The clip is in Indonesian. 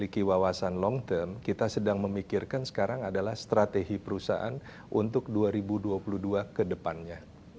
kita sedang memikirkan sekarang adalah strategi perusahaan untuk dua ribu dua puluh dua ke depannya